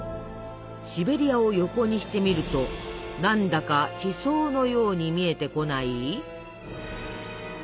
シベリアを横にしてみると何だか地層のように見えてこない？